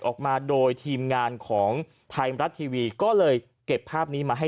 ออกมาโดยทีมงานของไทยรัฐทีวีก็เลยเก็บภาพนี้มาให้